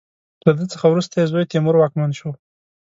له ده څخه وروسته یې زوی تیمور واکمن شو.